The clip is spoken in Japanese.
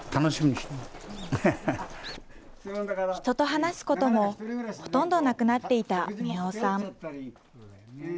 人と話すこともほとんどなくなっていた宮尾さん。